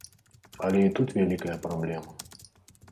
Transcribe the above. Але і тут вялікая праблема.